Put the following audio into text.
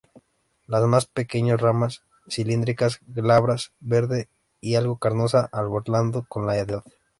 Las más pequeños ramas cilíndricas, glabras, verde y algo carnosa, arbolado con la edad.